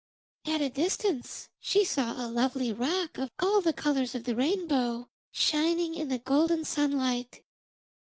At a distance she saw a lovely rock of all the colours of the rainbow, shining in the golden sunlight.